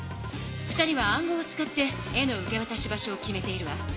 ２人は暗号を使って絵の受けわたし場所を決めているわ。